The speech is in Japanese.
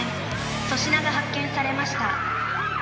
粗品が発見されました。